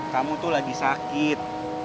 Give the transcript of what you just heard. kamu tuh lagi sakit